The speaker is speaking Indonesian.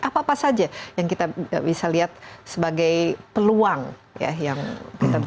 apa apa saja yang kita bisa lihat sebagai peluang yang kita bisa lakukan di indonesia